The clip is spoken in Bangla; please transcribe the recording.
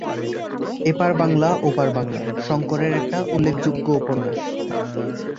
এপার-বাংলা-ওপার-বাংলা শংকরের একটা উল্ল্যেখযোগ্য উপন্যাস।